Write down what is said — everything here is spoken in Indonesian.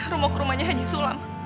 romo ke rumahnya haji sulam